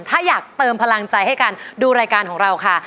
ถ้าอยากเติมพลังใจให้กันดูรายการของเราค่ะ